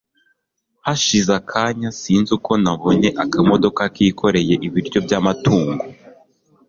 hashize akanya sinzi uko nabonye akamodoka kikoreye ibiryo byamatungo